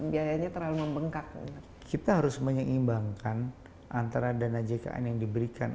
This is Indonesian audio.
biayanya terlalu membengkak kita harus menyeimbangkan antara dana jkn yang diberikan